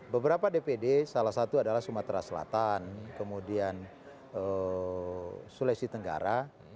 beberapa dpd salah satu adalah sumatera selatan kemudian sulawesi tenggara